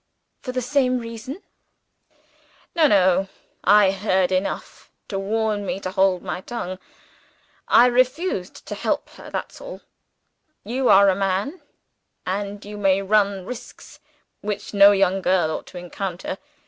"For the same reason?" "No, no. I heard enough to warn me to hold my tongue. I refused to help her that's all. You are a man, and you may run risks which no young girl ought to encounter.